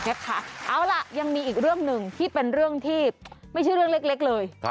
เอาล่ะยังมีอีกเรื่องหนึ่งที่เป็นเรื่องที่ไม่ใช่เรื่องเล็กเลย